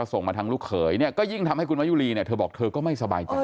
ส่งมาทางลูกเขยเนี่ยก็ยิ่งทำให้คุณมายุรีเนี่ยเธอบอกเธอก็ไม่สบายใจ